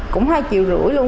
cũng hai chiều rưỡi luôn